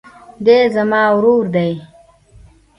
دی زما ورور دئ.